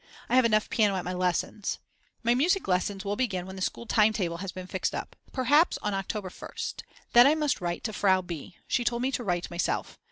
I have enough piano at my lessons. My music lessons will begin when the school time table has been fixed up. Perhaps on October 1st, then I must write to Frau B., she told me to write myself.